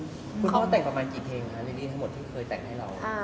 คุณพ่อแต่งประมาณกี่เพลงครับเรียบร้อยทั้งหมดที่เคยแต่งให้เรา